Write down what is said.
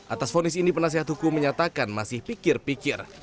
atas fonis ini penasihat hukum menyatakan masih pikir pikir